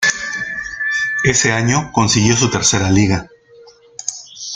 Ese año consiguió su tercera Liga.